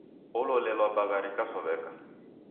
Ololelwa bagha rikasow'eka.